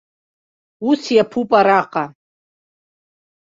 Ус иаԥуп араҟа.